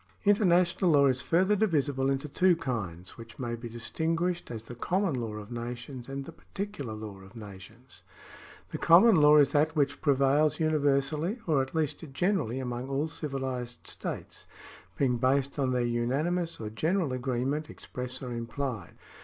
International law is further divisible into two kinds, which may be distinguished as the common law of nations and the particular law of nations. The common law is that which prevails universally or at least generally among all civilised states, being based on their unanimous or general agreement, express or implied.